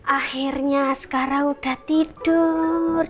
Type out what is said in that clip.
akhirnya sekarang udah tidur